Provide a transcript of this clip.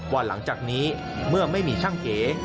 ว่าหลังจากนี้เมื่อไม่มีช่างเอ